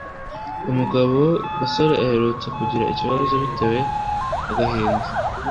umugabo gasore aherutse kugira ikibazo biteye agahinda